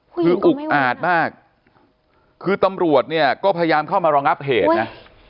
คืออุกอาจมากคือตำรวจเนี่ยก็พยายามเข้ามารองับเหตุนะ